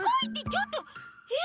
ちょっと！え？